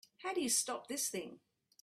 How do you stop this thing?